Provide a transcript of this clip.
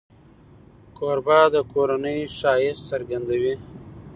کوربه د کورنۍ ښایست څرګندوي.